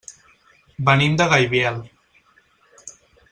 Venim de Gaibiel.